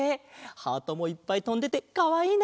ハートもいっぱいとんでてかわいいね。